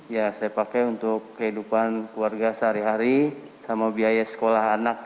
ya saya pakai untuk kehidupan keluarga sehari hari sama biaya sekolah anak